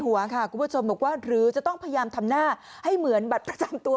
หัวค่ะคุณผู้ชมบอกว่าหรือจะต้องพยายามทำหน้าให้เหมือนบัตรประจำตัว